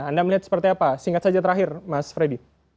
anda melihat seperti apa singkat saja terakhir mas freddy